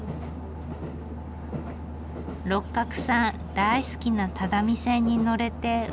六角さん大好きな只見線に乗れてうれしそう。